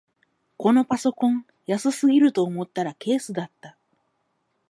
このパソコン安すぎると思ったらケースだった